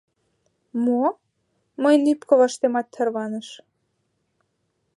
— Мо? — мыйын ӱп коваштемат тарваныш.